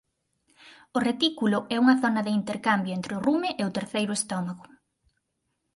O retículo é unha zona de intercambio entre o rume e o terceiro estómago.